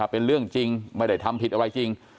เป็นเรื่องจริงไม่ได้ทำผิดอะไรจริง